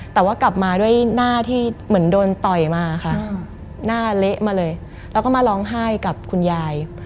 แต่ว่ากลับมาด้วยหน้าที่เหมือนโดนต่อยมาค่ะหน้าเละมาเลยแล้วก็มาร้องไห้กับคุณยาย